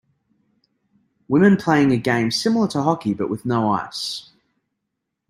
Women playing a game similar to hockey, but with no ice.